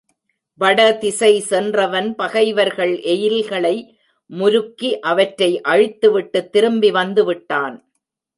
வடதிசை சென்றவன் பகைவர்கள் எயில்களை முருக்கி அவற்றை அழித்துவிட்டுத் திரும்பி வந்துவிட்டான்.